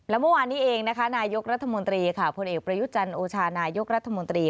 และเมื่อวานนี้เองนะคะนายกรัฐมนตรีค่ะผลเอกประยุจันทร์โอชานายกรัฐมนตรี